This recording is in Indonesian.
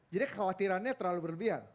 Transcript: jadi khawatirannya terlalu berlebihan